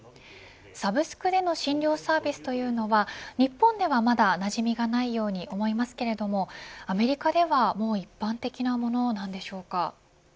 サブスクでの診療サービスというのは日本ではまだ、なじみがないように思いますけれどもアメリカではもう一般的なものなんでしょうか。